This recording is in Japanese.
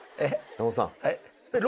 山本さん。